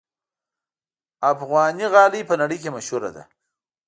افغاني غالۍ په نړۍ کې مشهوره ده.